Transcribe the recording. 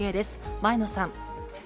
前野さん。